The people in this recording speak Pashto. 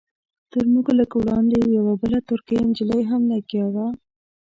تر موږ لږ وړاندې یوه بله ترکۍ نجلۍ هم لګیا وه.